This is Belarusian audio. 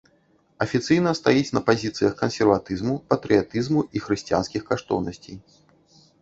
Афіцыйна стаіць на пазіцыях кансерватызму, патрыятызму і хрысціянскіх каштоўнасцей.